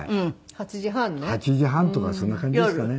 ８時半とかそんな感じですかね。